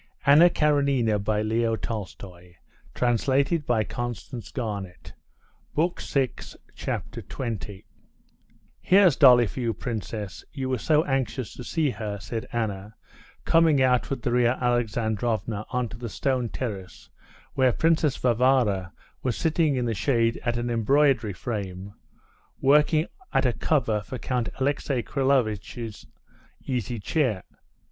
but a very good doctor. Then the architect.... Une petite cour!" Chapter 20 "Here's Dolly for you, princess, you were so anxious to see her," said Anna, coming out with Darya Alexandrovna onto the stone terrace where Princess Varvara was sitting in the shade at an embroidery frame, working at a cover for Count Alexey Kirillovitch's easy chair.